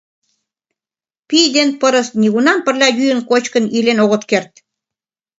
Пий ден пырыс нигунам пырля йӱын-кочкын илен огыт керт.